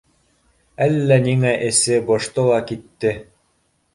Әллә ниңә эсе бошто ла китте